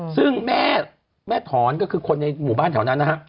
ซึ่งแม่ถอนก็คือคนในหมู่บ้านแถวนั้นนะฮะ